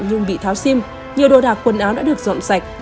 nhưng bị tháo sim nhiều đồ đạc quần áo đã được dọn sạch